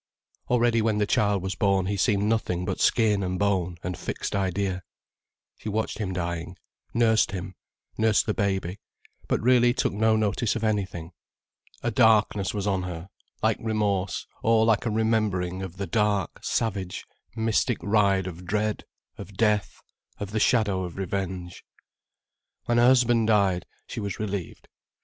Already when the child was born he seemed nothing but skin and bone and fixed idea. She watched him dying, nursed him, nursed the baby, but really took no notice of anything. A darkness was on her, like remorse, or like a remembering of the dark, savage, mystic ride of dread, of death, of the shadow of revenge. When her husband died, she was relieved.